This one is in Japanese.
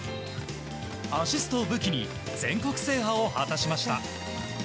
アシストを武器に全国制覇を果たしました。